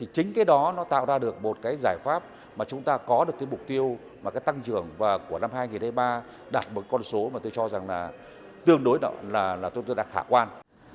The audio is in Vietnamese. chính cái đó tạo ra được một giải pháp mà chúng ta có được mục tiêu tăng trưởng của năm hai nghìn hai mươi ba đạt một con số tương đối đạt khả quan